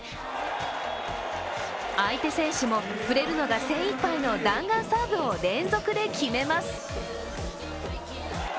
相手選手も触れるのが精いっぱいの弾丸サーブを連続で決めます。